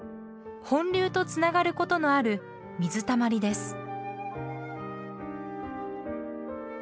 本流とつながることのある水たまりです。